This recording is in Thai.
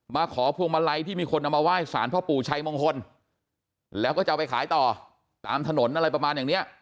มาขอพวงมาลัยที่มีคนเอามาไหว้สารพ่อปู่ชัยมงคลแล้วก็จะเอาไปขายต่อตามถนนอะไรประมาณอย่างเนี้ย